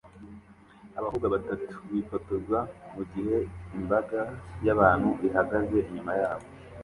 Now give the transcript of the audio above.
Abakobwa batatu bifotoza mu gihe imbaga y'abantu ihagaze inyuma yabo